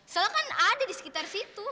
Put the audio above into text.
saya kan ada di sekitar situ